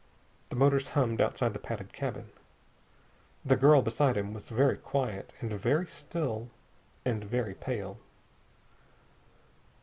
The motors hummed outside the padded cabin. The girl beside him was very quiet and very still and very pale.